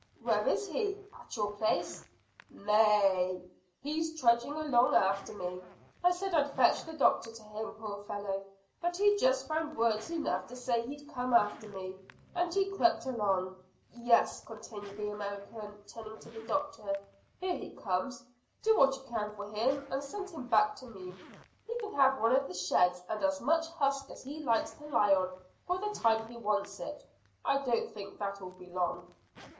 "Where is he? At your place?" "Nay y y! He's trudging along after me. I said I'd fetch the doctor to him, poor fellow, but he just found words enough to say he'd come after me, and he crept along. Yes," continued the American, turning to the door. "Here he comes. Do what you can for him, and send him back to me; he can have one of the sheds and as much husk as he likes to lie on for the time he wants it, and I don't think that'll be long."